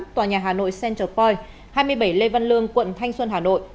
tòa nhà hà nội central point hai mươi bảy lê văn lương quận thanh xuân hà nội